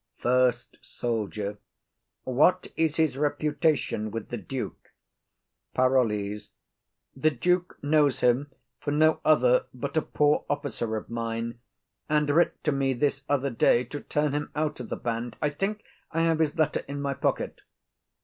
FIRST SOLDIER. What is his reputation with the duke? PAROLLES. The duke knows him for no other but a poor officer of mine, and writ to me this other day to turn him out o' the band. I think I have his letter in my pocket.